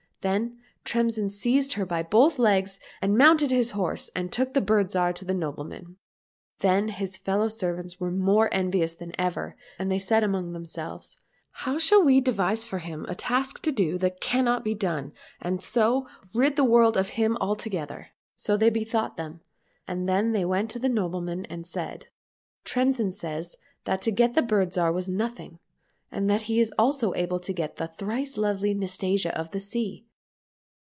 Then Tremsin seized her by both legs, and mounted his horse and took the Bird Zhar to the nobleman. Then his fellow servants were more envious than ever, and they said among themselves, " How shall we devise for him a task to do that cannot be done, and so rid the world of him altogether ?" So they bethought them, and then they went to the noble man and said, " Tremsin says that to get the Bird Zhar was nothing, and that he is also able to get the thrice lovely Nastasia of the sea."